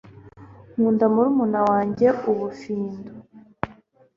nkunda murumuna wanjye ubufindo